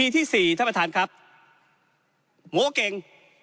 ที่๔ท่านประธานครับโม้เก่ง